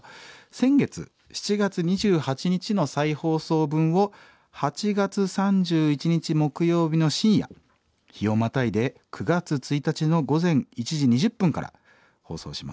先月７月２８日の再放送分を８月３１日木曜日の深夜日をまたいで９月１日の午前１時２０分から放送します。